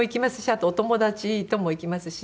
あとお友達とも行きますし。